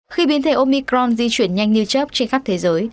khi biến thể omicron di chuyển nhanh như cherrb trên khắp thế giới